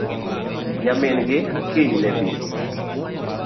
Nyamingi kiny nebii